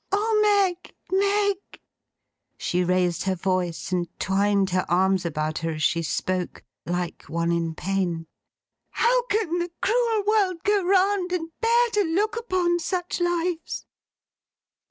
Oh Meg, Meg!' she raised her voice and twined her arms about her as she spoke, like one in pain. 'How can the cruel world go round, and bear to look upon such lives!